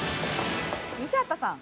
西畑さん